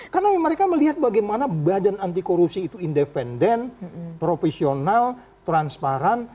karena mereka melihat bagaimana badan anti korupsi itu independen profesional transparan